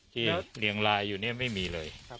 ที่เหลียงลายอยู่เนี่ยไม่มีเลย